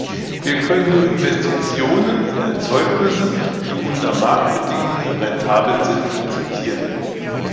Wir können nur Investitionen in Erzeugnisse, die unter Marktbedingungen rentabel sind, akzeptieren.